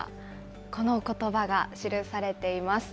このことばが記されています。